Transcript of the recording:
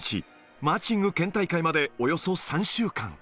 マーチング県大会までおよそ３週間。